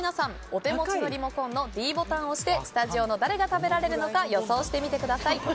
お手持ちのリモコンのｄボタンを押してスタジオの誰が食べられるのか予想してください。